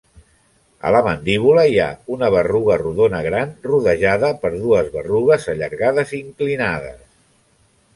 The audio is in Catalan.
A la mandíbula hi ha una berruga rodona gran, rodejada per dues berrugues allargades inclinades.